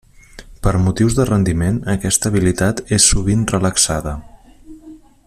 Per motius de rendiment, aquesta habilitat és sovint relaxada.